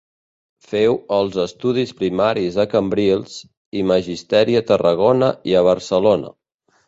Féu els estudis primaris a Cambrils, i Magisteri a Tarragona i a Barcelona.